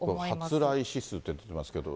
発雷指数、出てますけど。